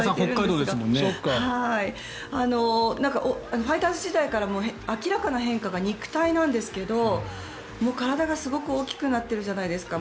ファイターズ時代から明らかな変化が肉体なんですけど体がすごく大きくなってるじゃないですか。